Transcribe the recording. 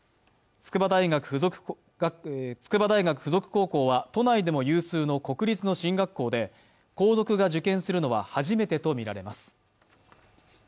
筑波大学附属高校は都内でも有数の国立の進学校で皇族が受験するのは初めてとみられます。